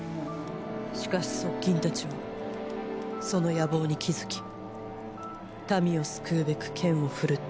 しかし側近たちはその野望に気づき民を救うべく剣を振るった。